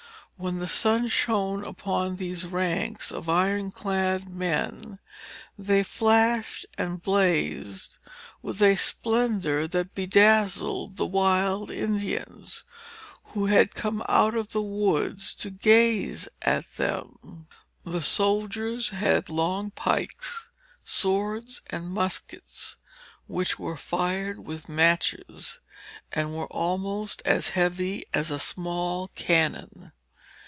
When the sun shone upon these ranks of iron clad men, they flashed and blazed with a splendor that bedazzled the wild Indians, who had come out of the woods to gaze at them. The soldiers had long pikes, swords, and muskets, which were fired with matches, and were almost as heavy as a small cannon.